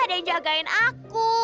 dan jagain aku